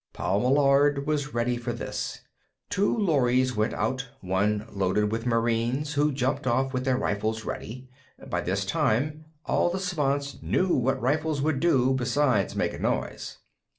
Paul Meillard was ready for this. Two lorries went out; one loaded with Marines, who jumped off with their rifles ready. By this time, all the Svants knew what rifles would do beside make a noise.